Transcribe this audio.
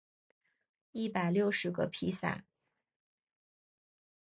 一百六十个披萨